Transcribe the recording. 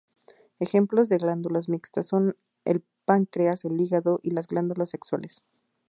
Ejemplos de glándulas mixtas son el páncreas, el hígado y las glándulas sexuales.